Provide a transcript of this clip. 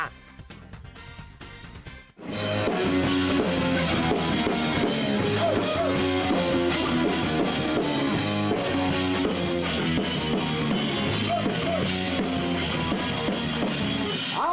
โอ้โหโอ้โห